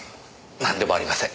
なんでもありません。